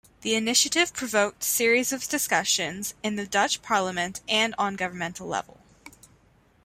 The initiative provoked series of discussions in the Dutch Parliament and on governmental level.